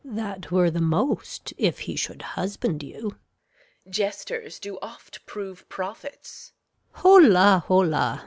Gon. That were the most if he should husband you. Reg. Jesters do oft prove prophets. Gon. Holla, holla!